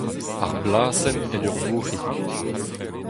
Ar blasenn en ur vourc'hig.